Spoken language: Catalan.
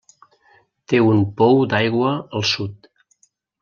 Té un pou d'aigua al sud.